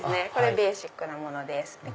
ベーシックなものです。